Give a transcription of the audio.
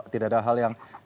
tidak ada hal yang